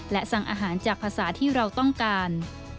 และสั่งอาหารจากภาษาที่เราต้องการ